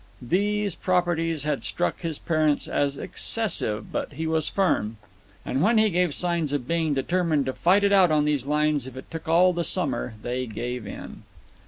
These properties had struck his parents as excessive, but he was firm; and when he gave signs of being determined to fight it out on these lines if it took all the summer, they gave in.